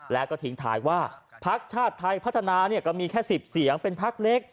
แล้วก็ทิ้งท้ายว่าพักชาติไทยพัฒนาก็มีแค่๑๐เสียงเป็นพักเล็ก